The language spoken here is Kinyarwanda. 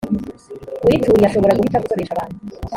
uyituriye ashobora guhitamo gukoresha ahantu